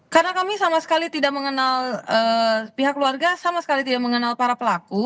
karena kami sama sekali tidak mengenal pihak keluarga sama sekali tidak mengenal para pelaku